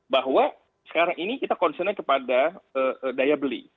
bahwa sekarang ini kita concern nya kepada daya beli